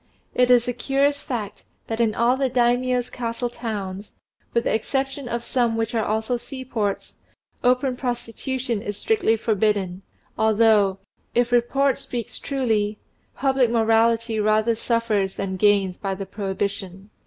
It is a curious fact that in all the Daimio's castle towns, with the exception of some which are also seaports, open prostitution is strictly forbidden, although, if report speaks truly, public morality rather suffers than gains by the prohibition.